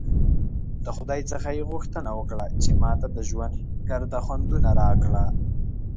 د خدای څخه ېې غوښتنه وکړه چې ماته د ژوند ګرده خوندونه راکړه!